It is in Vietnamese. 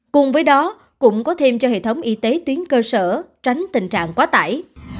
cùng với đó cũng có thêm cho hệ thống y tế tuyến cơ sở tránh tình trạng quá tải